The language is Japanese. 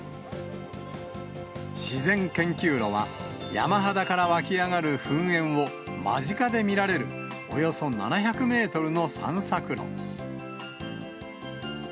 自然研究路は、山肌から湧き上がる噴煙を間近で見られる、およそ７００メートルの散策路。